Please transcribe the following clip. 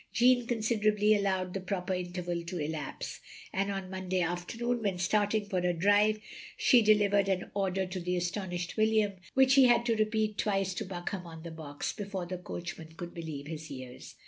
Jeanne considerately allowed the proper interval to elapse, and on Monday afternoon when starting for her drive, she delivered an order to the aston ished William which he had to repeat twice to Buckam on the box, before the coachman cotild believe his ears.